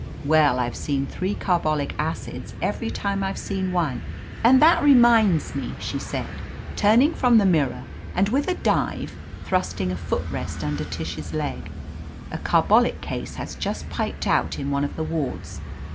Well, I've seen three carbolic acids every time I've seen one. And that reminds me," she said, turning from the mirror aiid with a dive thrusting a foot rest under Tish's leg, "a carbolic case has just piped out in one of the wa^ds.